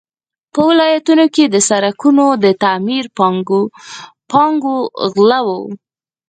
په ولایتونو کې د سړکونو د تعمیر پانګو غله وو.